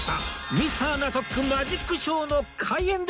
Ｍｒ． ナトックマジックショーの開演です